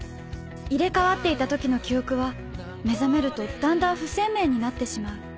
入れ替わっていた時の記憶は目覚めるとだんだん不鮮明になってしまう。